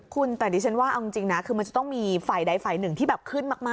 คุณแต่ดิฉันว่าเอาจริงนะคือมันจะต้องมีฝ่ายใดฝ่ายหนึ่งที่แบบขึ้นมาก